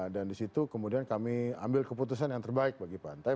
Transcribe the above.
dan di situ kemudian kami ambil keputusan yang terbaik bagi pantai